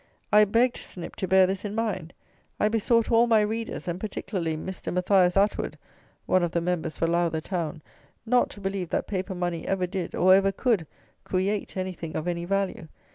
I begged Snip to bear this in mind. I besought all my readers, and particularly Mr. Mathias Atwood (one of the members for Lowther town), not to believe that paper money ever did, or ever could, create anything of any value.